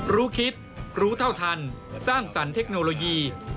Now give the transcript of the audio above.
รู้คิดรู้เท่าทันสร้างสรรค์เทคโนโลยี